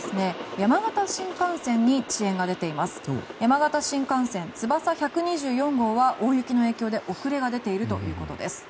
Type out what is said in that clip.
山形新幹線つばさ１２４号は大雪の影響で遅れが出ているということです。